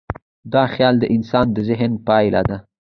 دا خیال د انسان د ذهن پایله ده.